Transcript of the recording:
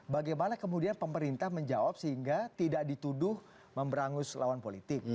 bagaimana kemudian pemerintah menjawab sehingga tidak dituduh memberangus lawan politik